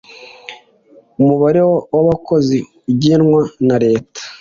umubare wabakozi ugenwa na leta.